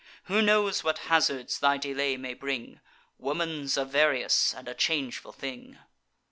Who knows what hazards thy delay may bring? Woman's a various and a changeful thing."